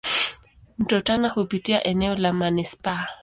Mto Tana hupitia eneo la manispaa.